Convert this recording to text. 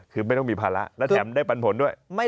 คือไม่ต้องมีภาระและแถมได้ปันผลด้วย